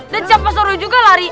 dan siapa suruh juga lari